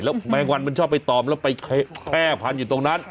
แล้วแมงวันมันชอบไปตอบแล้วไปแฮผ่านอยู่ตรงนั้น